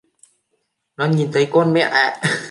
Nó nhìn thấy con mẹ ạ